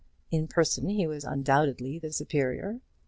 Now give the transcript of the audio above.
In person he was undoubtedly the superior.